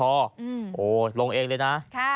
โอ้โหลงเองเลยนะ